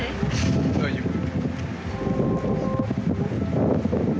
大丈夫。